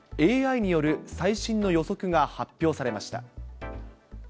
ＡＩによる最新の予測が発表されました。